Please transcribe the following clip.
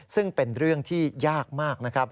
ซึ่งเป็นเรื่องที่ยากมากนะครับ